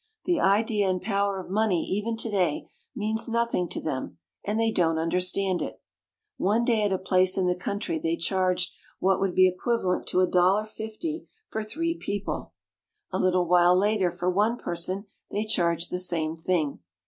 The idea and power of money even today means nothing to them and they don't understand it. One day at a place in the country they charged what would be equivalent to $1.50 for 3 people — a little while later for one person they charge the same thing.